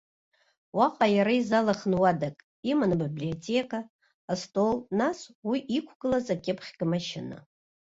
Уаҟа иара изалхын уадак, иман абиблиотека, астол, нас уи иқәгылаз акьыԥхьга машьына.